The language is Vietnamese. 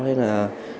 và mua pháo